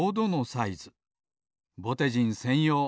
ぼてじんせんよう。